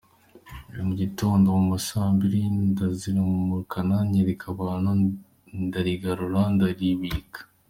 Hari mu gitondo mu ma saa mbiri, ndarizamukana ryereka abantu, ndarigarura ndaribika.